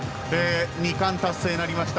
２冠達成になりました。